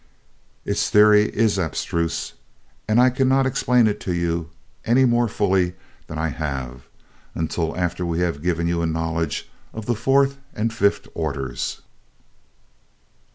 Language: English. "Its theory is abstruse, and I cannot explain it to you any more fully than I have, until after we have given you a knowledge of the fourth and fifth orders.